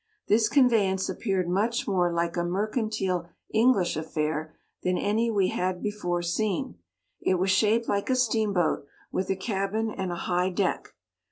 This conveyance appeared much more like a mercantile English affair than any we had. before seen ; it was shaped like a steam boat, with a cabin and a high deck.